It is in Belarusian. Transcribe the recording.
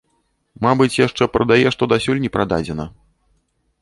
Мабыць, яшчэ прадае, што дасюль не прададзена?